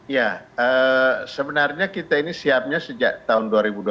ya sebenarnya kita ini siapnya sejak tahun dua ribu dua puluh